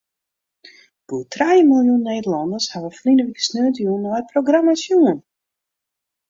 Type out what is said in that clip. Goed trije miljoen Nederlanners hawwe ferline wike sneontejûn nei it programma sjoen.